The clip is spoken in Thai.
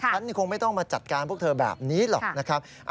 ฉันคงไม่ต้องมาจัดการพวกเธอแบบนี้หรอกนะครับ